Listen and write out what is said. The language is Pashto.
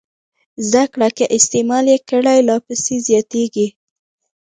زده کړه که استعمال یې کړئ لا پسې زیاتېږي.